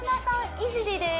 いじりです